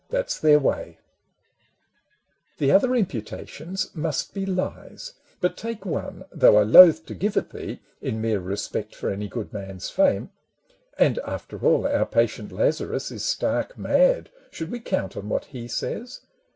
That 's their way \ The other imputations must be lies : But take one, though I loathe to give it thee, In mere respect for any good man's fame. (And after all, our patient Lazarus Is stark mad ; should we count on what he says?